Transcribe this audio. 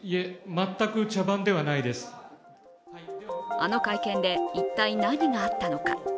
あの会見で一体、何があったのか。